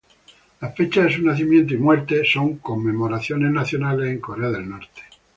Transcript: La fecha de su nacimiento y muerte son conmemoraciones nacionales en Corea del Norte.